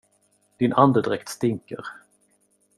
Din andedräkt stinker.